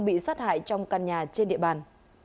bị sát hại trong căn nhà trên địa bàn